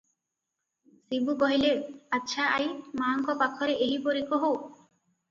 ଶିବୁ କହିଲେ- "ଆଚ୍ଛା ଆଈ, ମାଙ୍କ ପାଖରେ ଏହିପରି କହୁ ।"